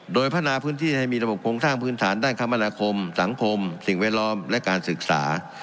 โดยพัฒนาพื้นที่ให้มีระบบโครงสร้างพื้นฐานด้านคมนาคมสังคมสิ่งแวดล้อมและการศึกษา